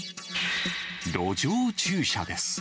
路上駐車です。